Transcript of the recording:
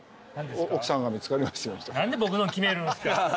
何で僕の決めるんすか。